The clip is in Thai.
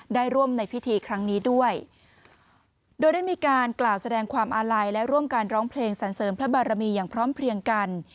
ได้ร่วมในพิธีครั้งนี้ด้วยโดยได้มีการกล่าวแสดงความอาลัยและร่วมกันร้องเพลงสันเสริมพระบารมีอย่างพร้อมเพลียงกัน